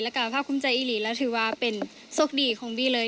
และกับภาพคุ้มใจอีหรี่และถือว่าเป็นสกดีของบีเลย